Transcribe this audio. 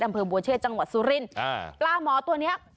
ของเผอร์บัวเชษจังหวัดสุรินปลาหมอตัวนี้